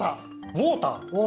ウォーター。